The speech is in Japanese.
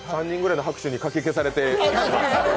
３人ぐらいの拍手にかき消されて。